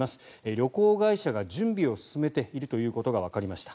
旅行会社が準備を進めているということがわかりました。